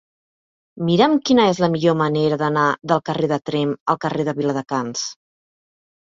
Mira'm quina és la millor manera d'anar del carrer de Tremp al carrer de Viladecans.